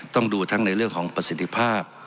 ต้องดูทั้งในเรื่องของประสิทธิภาพ